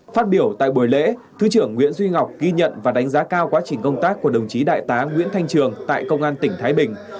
phát biểu tại buổi lễ thứ trưởng nguyễn duy ngọc ghi nhận và đánh giá cao quá trình công tác của đồng chí đại tá nguyễn thanh trường tại công an tỉnh thái bình